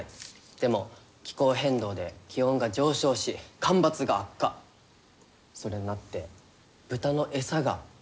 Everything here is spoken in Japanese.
でも気候変動で気温が上昇し干ばつが悪化それになって豚の餌が作物が手に入らない。